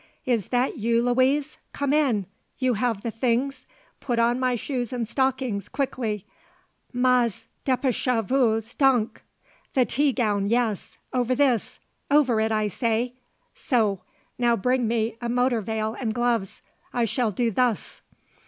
"Is that you, Louise? Come in. You have the things? Put on my shoes and stockings; quickly; mais dépêchez vous donc! The tea gown yes, over this over it I say! So. Now bring me a motor veil and gloves. I shall do thus."